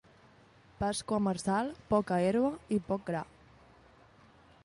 Pasqua marçal, poca herba i poc gra.